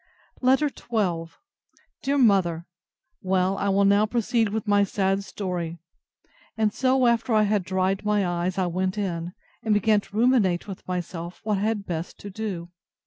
LETTER XII DEAR MOTHER, Well, I will now proceed with my sad story. And so, after I had dried my eyes, I went in, and began to ruminate with myself what I had best to do.